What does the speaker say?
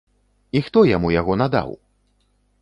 І хто яму яго надаў?